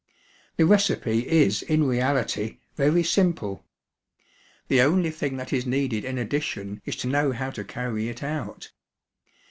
The recipe is in reality very simple. The only thing that is needed in addition is to know how to carry it out.